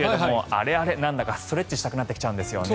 あれあれ、なんだかストレッチしたくなってきちゃうんですよね。